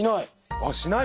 あっしない？